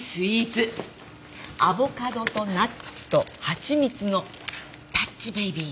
アボカドとナッツとハチミツのダッチベイビー。